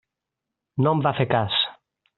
No en va fer cas.